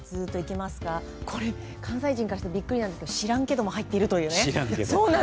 これ、関西人からしたらビックリなんですけど知らんけども入っているという。